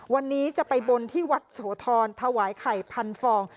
วันนี้จะไปบนที่วัดโสธรถวายไข่พันฟอง